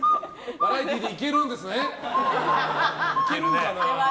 バラエティーでいけるんですね。